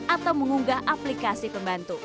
atau mengunggah aplikasi pembantu